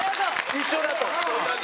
一緒だと。